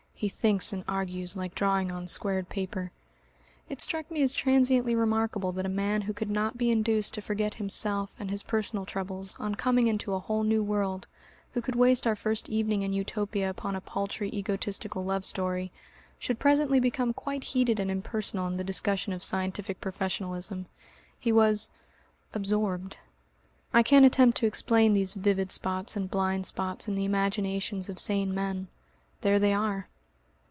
(He thinks and argues like drawing on squared paper.) It struck me as transiently remarkable that a man who could not be induced to forget himself and his personal troubles on coming into a whole new world, who could waste our first evening in Utopia upon a paltry egotistical love story, should presently become quite heated and impersonal in the discussion of scientific professionalism. He was absorbed. I can't attempt to explain these vivid spots and blind spots in the imaginations of sane men; there they are!